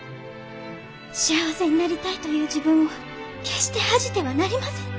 幸せになりたいという自分を決して恥じてはなりませぬ。